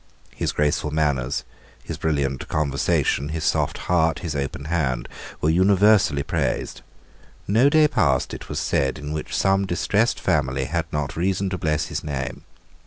His graceful manners, his brilliant conversation, his soft heart, his open hand, were universally praised. No day passed, it was said, in which some distressed family had not reason to bless his name.